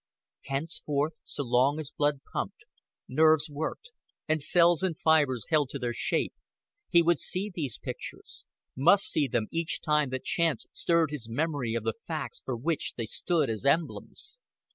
Henceforth, so long as blood pumped, nerves worked, and cells and fibers held to their shape, he would see these pictures must see them each time that chance stirred his memory of the facts for which they stood as emblems.